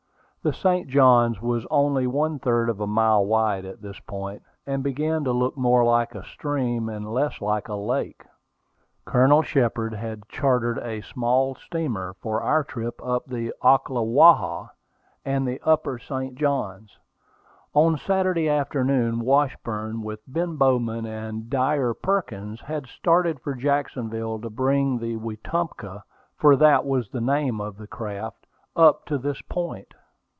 The St. Johns was only one third of a mile wide at this point, and began to look more like a stream and less like a lake. Colonel Shepard had chartered a small steamer for our trip up the Ocklawaha and the upper St. Johns. On Saturday afternoon, Washburn, with Ben Bowman and Dyer Perkins, had started for Jacksonville to bring the Wetumpka, for that was the name of the craft, up to this point.